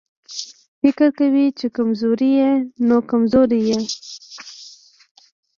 که فکر کوې چې کمزوری يې نو کمزوری يې.